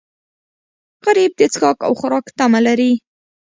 غریب د څښاک او خوراک تمه لري